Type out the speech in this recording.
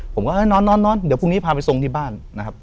ผมก็เออนอนเดี๋ยวพรุ่งนี้พาไปทรงที่บ้านนะครับ